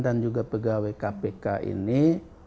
dan juga pegawai kpk ini